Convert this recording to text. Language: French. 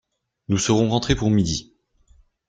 Nous serons rentrées pour midi!